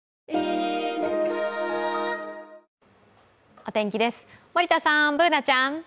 お天気です、森田さん、Ｂｏｏｎａちゃん。